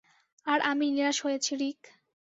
আর আমি নিরাশ হয়েছি, রিক।